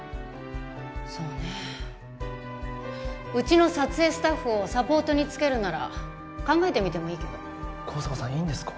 そうねうちの撮影スタッフをサポートにつけるなら考えてみてもいいけど香坂さんいいんですか？